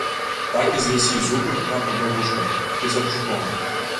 Так і з'ясі зубы на пабягушках, пісарчуком.